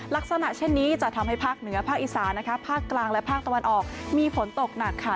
ลักษณะเช่นนี้จะทำให้ภาคเหนือภาคอีสานนะคะภาคกลางและภาคตะวันออกมีฝนตกหนักค่ะ